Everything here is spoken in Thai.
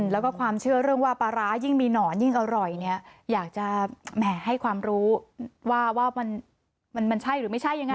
แล้วก็ความเชื่อเรื่องว่าปลาร้ายิ่งมีหนอนยิ่งอร่อยเนี่ยอยากจะแหมให้ความรู้ว่ามันใช่หรือไม่ใช่ยังไง